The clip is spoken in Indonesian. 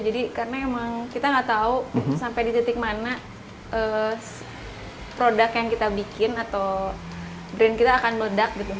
jadi karena memang kita nggak tahu sampai di titik mana produk yang kita bikin atau brand kita akan meledak gitu